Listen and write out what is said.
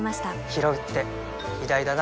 ひろうって偉大だな